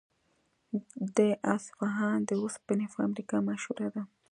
د اصفهان د وسپنې فابریکه مشهوره ده.